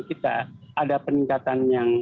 kita ada peningkatan yang